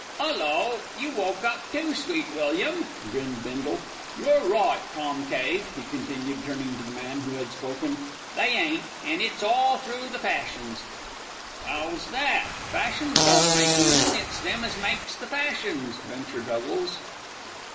"'Ullo! you woke up too, Sweet William?" grinned Bindle. "You're right, Tom Cave," he continued, turning to the man who had spoken. "They ain't, an' it's all through the fashions." "'Ow's that? Fashions don't make women, it's them as makes the fashions," ventured Huggles.